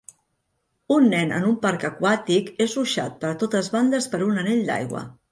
Un nen en un parc aquàtic és ruixat per totes bandes per un anell d'aigua.